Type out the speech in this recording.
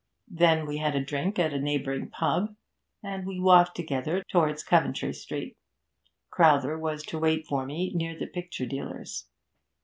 Then we had a drink at a neighbouring pub, and we walked together towards Coventry Street. Crowther was to wait for me near the picture dealer's.